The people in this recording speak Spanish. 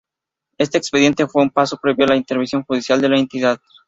Este expediente fue un paso previo a la intervención judicial de la entidad.